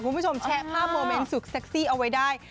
คุณผู้ชมแชร์ภาพโมเมนต์สุดเซ็กซี่เอาไว้ได้